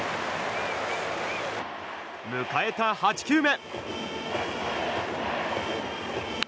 迎えた８球目。